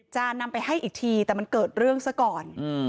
จะนำไปให้อีกทีแต่มันเกิดเรื่องซะก่อน